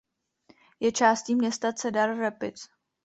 Je částí města Cedar Rapids.